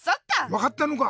わかったのか？